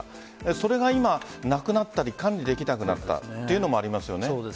それが今なくなったり管理できなくなったというのもありますよね。